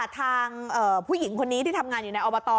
ทางผู้หญิงคนนี้ที่ทำงานอยู่ในอบต